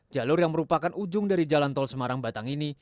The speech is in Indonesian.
jalur yang merupakan ujung dari jalan tol semarang batang ini